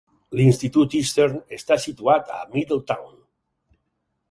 L'Institut Eastern està situat a Middletown.